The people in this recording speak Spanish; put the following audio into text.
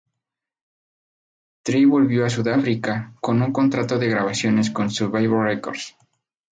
Tree volvió a Sudáfrica con un contrato de grabación con Survivor Records.